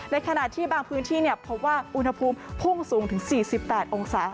ขณะที่บางพื้นที่พบว่าอุณหภูมิพุ่งสูงถึง๔๘องศา